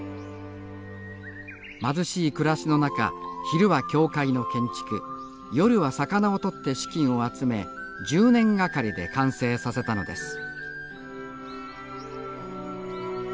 貧しい暮らしの中昼は教会の建築夜は魚を取って資金を集め１０年がかりで完成させたのです